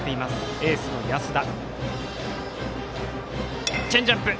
エースの安田。